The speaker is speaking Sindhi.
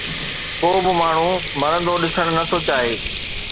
ڪو به ماڻهو مرندو ڏسڻ نٿو چاهي